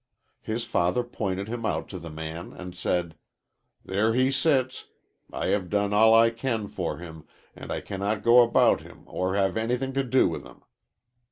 His father pointed him out to the man and said: 'There he sits. I have done all I can for him and I cannot go about him or have anything to do with him.'